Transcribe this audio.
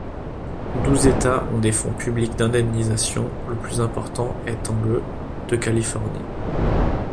Douze États ont des fonds publics d'indemnisation, le plus important étant le de Californie.